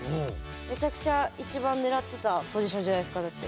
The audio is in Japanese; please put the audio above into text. めちゃくちゃ一番狙ってたポジションじゃないですかだって。